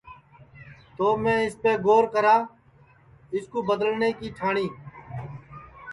تو میں اِسپے گور کرا اِس کُو بدلنے کی ٹھاٹؔی